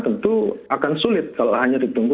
tentu akan sulit kalau hanya ditunggu